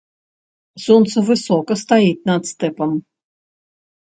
Сонца высока стаіць над стэпам.